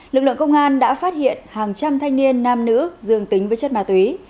lực lượng công an đã phát hiện hàng trăm thanh niên nam nữ dương tính với chất ma túy